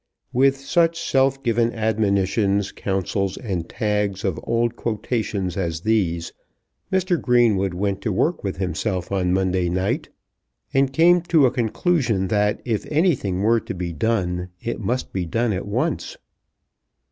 With such self given admonitions, counsels, and tags of old quotations as these, Mr. Greenwood went to work with himself on Monday night, and came to a conclusion that if anything were to be done it must be done at once.